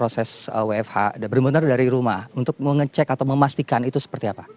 kalau dia akan melakukan proses wfh benar benar dari rumah untuk mengecek atau memastikan itu seperti apa